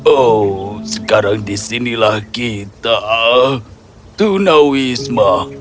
oh sekarang disinilah kita tunawisma